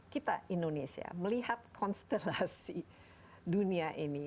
kita indonesia melihat konstelasi dunia ini